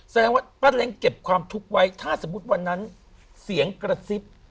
แสดงว่าป้าเล้งเก็บความทุกข์ไว้ถ้าสมมุติวันนั้นเสียงกระซิบ